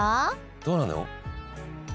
どうなの？